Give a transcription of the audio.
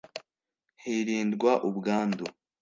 hirindwa ubwandu